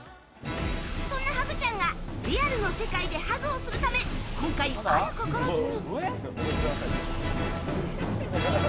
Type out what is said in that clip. そんなハグちゃんがリアルの世界でハグをするため今回、ある試みに。